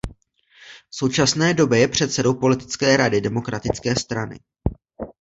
V současné době je předsedou politické rady Demokratické strany.